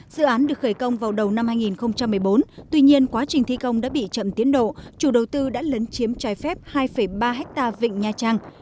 dự án được khởi công vào đầu năm hai nghìn một mươi bốn tuy nhiên quá trình thi công đã bị chậm tiến độ chủ đầu tư đã lấn chiếm trái phép hai ba hectare vịnh nha trang